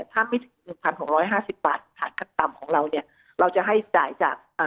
ถ้ามิถึง๑๖๕๐บาทคือฐานค่าจ้างต่ำของเราเนี่ยเราจะให้จ่ายจาก